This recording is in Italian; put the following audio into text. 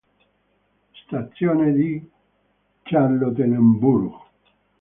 Stazione di Charlottenburg